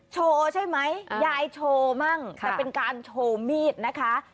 โชว์ใช่ไหมยายโชว์มั่งแต่เป็นการโชว์มีดนะคะ